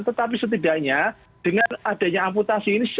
tetapi setidaknya dengan adanya amputasi ini